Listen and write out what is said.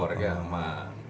korek yang aman